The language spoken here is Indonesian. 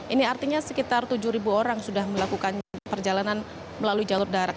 ini artinya sekitar tujuh orang sudah melakukan perjalanan melalui jalur darat